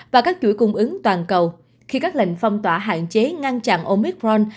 và các chuỗi cung ứng toàn cầu khi các lệnh phong tỏa hạn chế ngăn chặn oicron